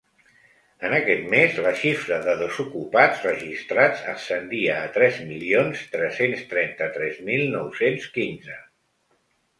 En aquest mes, la xifra de desocupats registrats ascendia a tres milions tres-cents trenta-tres mil nou-cents quinze.